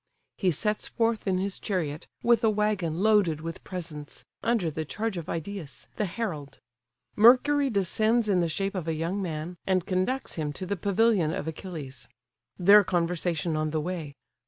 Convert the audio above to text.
He sets forth in his chariot, with a waggon loaded with presents, under the charge of Idæus the herald. Mercury descends in the shape of a young man, and conducts him to the pavilion of Achilles. Their conversation on the way.